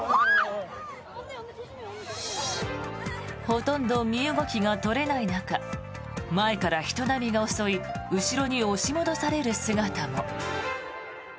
ほとんど身動きが取れない中前から人波が襲い後ろに押し戻される姿も。